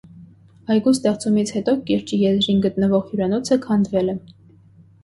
Այգու ստեղծումից հետո կիրճի եզրին գտնվող հյուրանոցը քանդվել է։